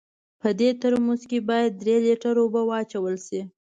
په دې ترموز کې باید درې لیټره اوبه واچول سي.